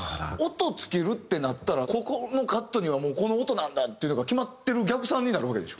音付けるってなったらここのカットにはもうこの音なんだっていうのが決まってる逆算になるわけでしょ？